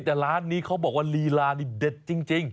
แต่ร้านนี้เขาบอกว่าลีลานี่เด็ดจริง